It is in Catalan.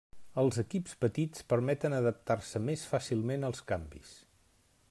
Els equips petits permeten adaptar-se més fàcilment als canvis.